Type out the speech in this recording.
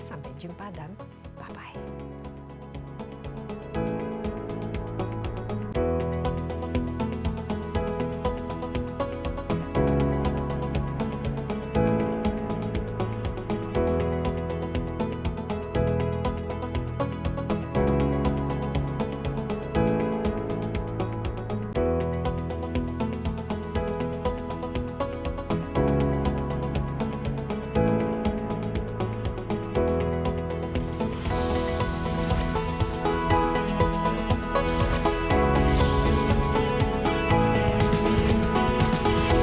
sampai jumpa dan bye bye